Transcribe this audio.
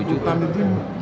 empat puluh juta mungkin